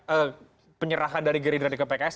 ada penyerahan dari gerindra di pks